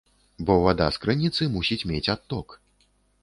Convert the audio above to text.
Бо вада з крыніцы мусіць мець адток.